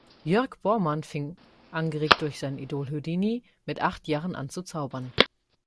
Jörg Borrmann fing, angeregt durch sein Idol Houdini, mit acht Jahren an zu zaubern.